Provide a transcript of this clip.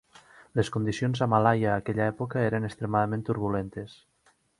Les condicions a Malaia aquella època eren extremadament turbulentes.